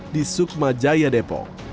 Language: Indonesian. di sukma jaya depok